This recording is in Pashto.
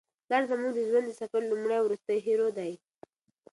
پلار زموږ د ژوند د سفر لومړی او وروستی هیرو دی.